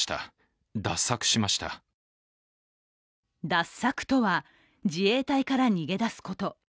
脱柵とは自衛隊から逃げ出すこと。